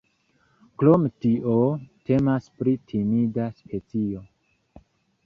Krom tio temas pri timida specio.